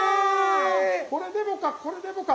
これでもかこれでもか。